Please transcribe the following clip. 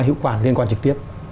hiệu quả liên quan trực tiếp